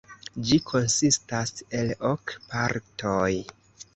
Ĝi konsistas el ok partoj.